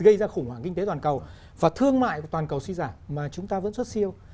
gây ra khủng hoảng kinh tế toàn cầu và thương mại của toàn cầu suy giảm mà chúng ta vẫn xuất siêu